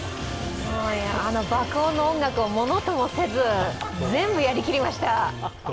爆音の音楽をものともせず、全部やり切りました。